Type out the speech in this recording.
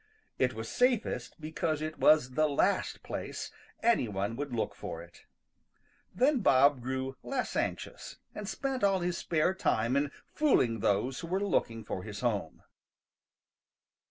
It was safest because it was the last place any one would look for it. Then Bob grew less anxious and spent all his spare time in fooling those who were looking for his home.